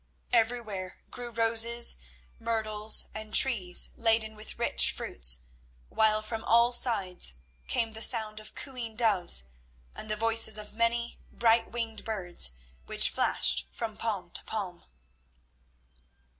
Everywhere grew roses, myrtles, and trees laden with rich fruits, while from all sides came the sound of cooing doves and the voices of many bright winged birds which flashed from palm to palm.